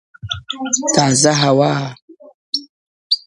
تازه هوا!.